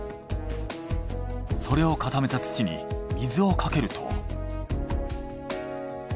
それを固めた土に水をかけると。